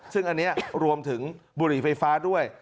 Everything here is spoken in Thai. ซึ่งอันนี้รวมถึงบุหรี่ไฟฟ้าด้วย